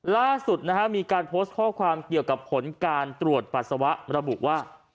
ล่าสุดนะฮะมีการโพสต์ข้อความเกี่ยวกับผลการตรวจปัสสาวะระบุว่า